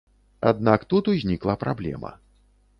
Аднак тут узнікла праблема.